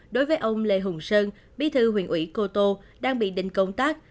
đối với ông lê hùng sơn bí thư huyện ủy cô tô đang bị đình công tác